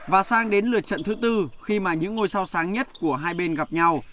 và sang đến lượt trận thứ tư khi mà những ngôi sao sáng nhất của hai bên gặp nhau